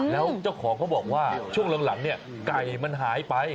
แล้วเจ้าของก็บอกว่าช่วงหลังไก่มันหายไป